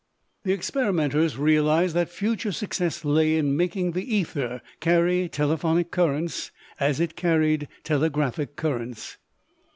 The experimenters realized that future success lay in making the ether carry telephonic currents as it carried telegraphic currents.